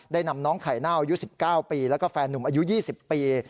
ได้นำน้องไข่น่าวอายุ๑๙ปีและแฟนหนุ่มอายุ๒๐ปี